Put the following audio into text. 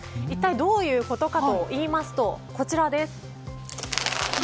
一体どういうことかといいますとこちらです。